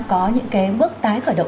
cơ sở đ want toilar